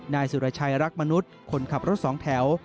นายสุรชัยรักมนุษย์คนขับรถสองแถว